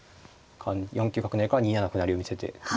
４九角成から２七歩成を見せて。